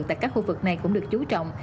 tại các khu vực này cũng được chú trọng